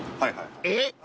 ［えっ？